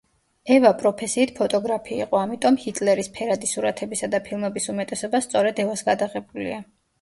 ევა პროფესიით ფოტოგრაფი იყო, ამიტომ ჰიტლერის ფერადი სურათებისა და ფილმების უმეტესობა სწორედ ევას გადაღებულია.